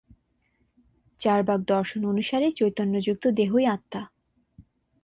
চার্বাক দর্শন অনুসারে চৈতন্যযুক্ত দেহই আত্মা।